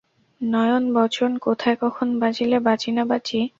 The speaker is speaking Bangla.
নয়ন বচন কোথায় কখন বাজিলে বাঁচি না বাঁচি।